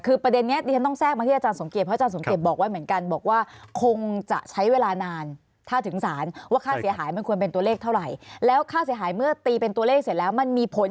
คือประเด็นนี้ท่านต้องแทรกมาที่อาจารย์สมเกียจ